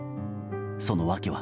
その訳は。